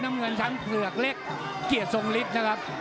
น้ำเงินชั้นเผือกเล็กเกียรติทรงฤทธิ์นะครับ